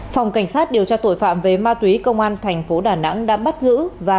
phòng cảnh sát điều tra tội phạm về ma túy công an thành phố đà nẵng đã bắt giữ và